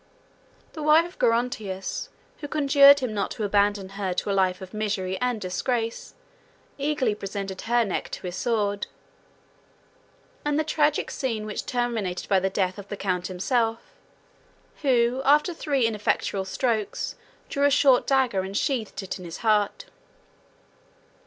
The wife of Gerontius, who conjured him not to abandon her to a life of misery and disgrace, eagerly presented her neck to his sword; and the tragic scene was terminated by the death of the count himself, who, after three ineffectual strokes, drew a short dagger, and sheathed it in his heart.